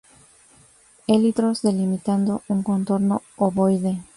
Élitros delimitando un contorno ovoide.